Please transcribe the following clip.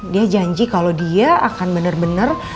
dia janji kalau dia akan bener bener